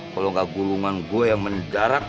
kalau enggak gulungan gue yang mendarat